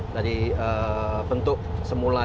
dari bentuk semula